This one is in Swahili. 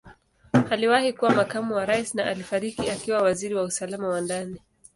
Aliwahi kuwa Makamu wa Rais na alifariki akiwa Waziri wa Usalama wa Ndani.